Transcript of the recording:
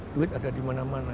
duit ada dimana mana